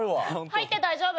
・入って大丈夫？